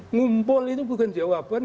ngumpul ini bukan jawaban